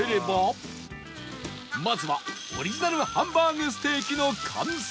まずはオリジナルハンバーグステーキの完成